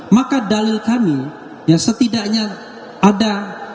maka dalil kami ya setidaknya ada